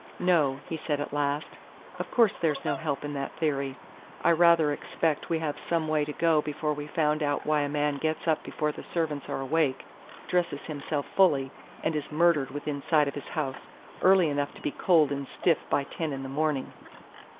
"No," he said at last. "Of course there's no help in that theory. I rather expect we have some way to go before we find out why a man gets up before the servants are awake, dresses himself fully, and is murdered within sight of his house early enough to be cold and stiff by ten in the morning."